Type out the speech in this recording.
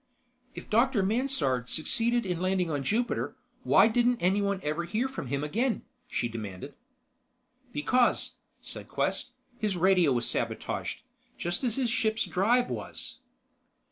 "If Dr. Mansard succeeded in landing on Jupiter, why didn't anyone ever hear from him again?" she demanded. "Because," said Quest, "his radio was sabotaged, just as his ship's drive was."